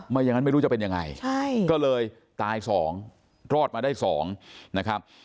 อย่างนั้นไม่รู้จะเป็นยังไงก็เลยตาย๒รอดมาได้๒นะครับ